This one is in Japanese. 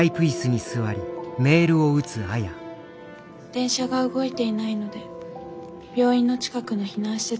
「電車が動いていないので病院の近くの避難施設に泊まります。